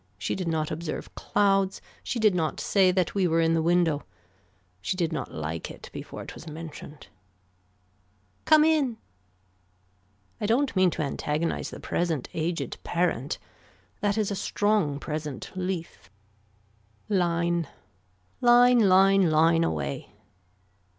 She did not observe clouds. She did not say that we were in the window. She did not like it before it was mentioned. Come in. I don't mean to antagonize the present aged parent. That is a strong present leaf. Line. Line line line away.